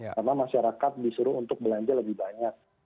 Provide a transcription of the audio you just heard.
karena masyarakat disuruh untuk belanja lebih banyak